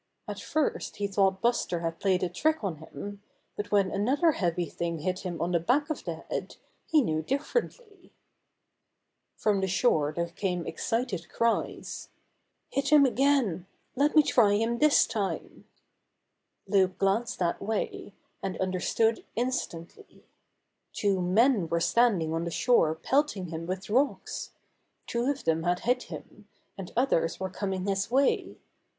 At first he thought Buster had played a trick on him, but when another heavy thing hit him on the back of the head he knew differently. How Buster Got Out of tlie River 29 From the shore there came excited cries. "Hit him again! Let me try him this timeT Loup glanced that way, and understood in stantly, Two men were standing on the shore pelting him with rocks. Two of them had hit him, and others were coming his way.